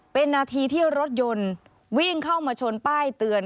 เป็นนาทีที่รถยนต์วิ่งเข้ามาชนป้ายเตือน